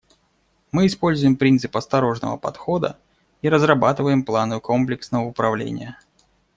Мы используем принцип осторожного подхода и разрабатываем планы комплексного управления.